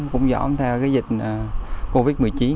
cũng dỗm theo dịch covid một mươi chín